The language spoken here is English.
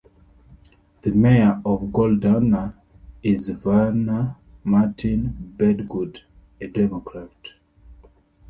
The mayor of Goldonna is Verna Martin Bedgood, a Democrat.